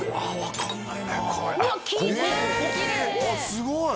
すごい！